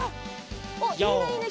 おっいいねいいね